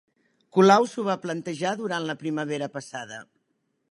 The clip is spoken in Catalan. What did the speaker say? Colau s'ho va plantejar durant la primavera passada